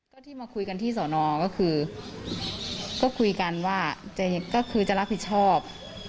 ก็ที่มาคุยกันที่สอนอก็คือก็คุยกันว่าก็คือจะรับผิดชอบ